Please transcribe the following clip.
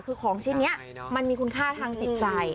คือของชื่อเนี่ยมันมีคุณค่าทางติดใจ